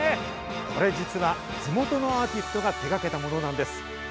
これ、実は地元のアーティストが手がけたものなんです。